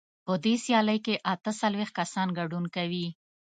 په دې سیالۍ کې اته څلوېښت کسان ګډون کوي.